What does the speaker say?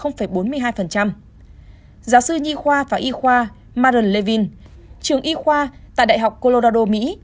giáo sư nhi khoa và y khoa maren levin trường y khoa tại đại học colorado mỹ